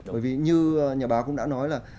bởi vì như nhà báo cũng đã nói là